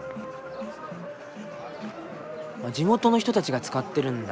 地元の人たちが使ってるんだ。